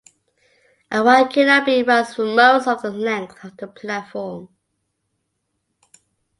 A wide canopy runs for most of the length of the platform.